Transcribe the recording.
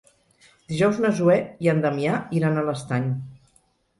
Dijous na Zoè i en Damià iran a l'Estany.